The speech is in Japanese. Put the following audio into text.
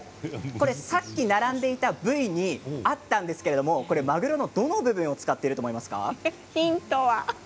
さっき並んでいた部位にあったんですけれどまぐろのどの部分を使っていると思いますか？